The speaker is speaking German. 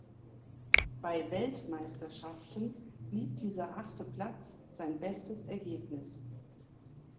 Bei Weltmeisterschaften blieb dieser achte Platz sein bestes Ergebnis.